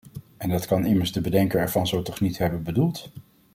En dat kan immers de bedenker ervan zo toch niet hebben bedoeld.